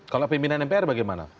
kalau pimpinan mpr bagaimana